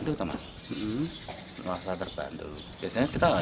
untuk membuat air panas yang sangat ramah